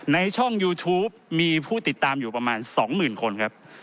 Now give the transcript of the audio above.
ในช่องยูทูปมีผู้ติดตามอยู่ประมาณ๒๐๐๐คนครับ